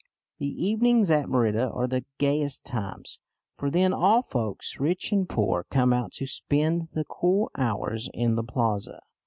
The evenings at Merida are the gayest times, for then all folks, rich and poor, come out to spend the cool hours in the plaza.